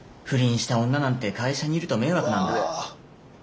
不倫した女なんて会社にいると迷惑なんだ。